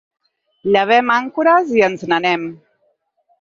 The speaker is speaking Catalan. Llevem àncores i ens n’anem.